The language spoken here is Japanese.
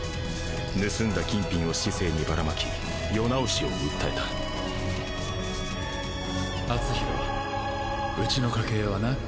盗んだ金品を市井にバラまき世直しを訴えた圧紘ウチの家系はな